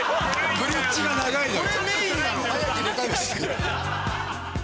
ブリッジ長いのよ。